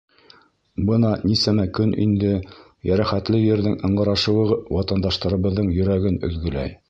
Бына нисәмә көн инде йәрәхәтле ерҙең ыңғырашыуы ватандаштарыбыҙҙың йөрәген өҙгөләй.